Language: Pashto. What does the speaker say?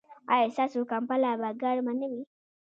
ایا ستاسو کمپله به ګرمه نه وي؟